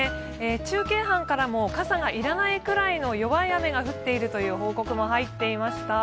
中継班からも傘が要らないくらいの弱い雨が降っているという報告も入っていました。